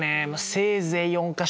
せいぜい４か所。